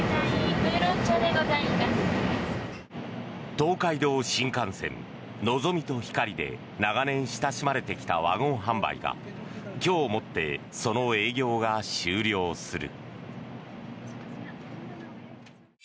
東海道新幹線のぞみとひかりで長年親しまれてきたワゴン販売が今日をもってその営業が終了する。